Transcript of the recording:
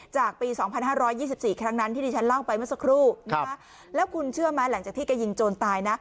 ปี๒๕๒๔ครั้งนั้นที่ดิฉันเล่าไปเมื่อสักครู่แล้วคุณเชื่อไหมหลังจากที่แกยิงโจรตายนะ